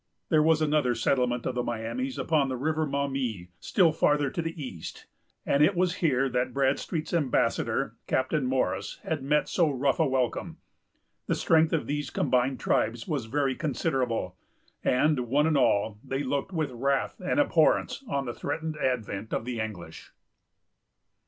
There was another settlement of the Miamis upon the River Maumee, still farther to the east; and it was here that Bradstreet's ambassador, Captain Morris, had met so rough a welcome. The strength of these combined tribes was very considerable; and, one and all, they looked with wrath and abhorrence on the threatened advent of the English.